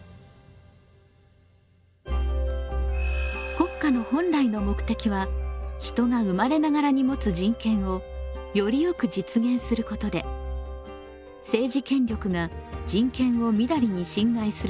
国家の本来の目的は人が生まれながらにもつ人権をよりよく実現することで政治権力が人権をみだりに侵害することは許されません。